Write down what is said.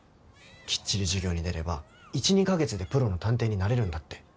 きっちり授業に出れば１２カ月でプロの探偵になれるんだって。